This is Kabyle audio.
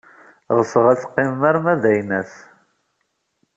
Ɣseɣ ad teqqimem arma d aynas.